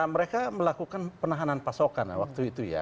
mereka melakukan penahanan pasokan waktu itu ya